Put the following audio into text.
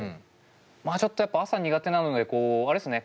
まあちょっとやっぱ朝苦手なのであれですね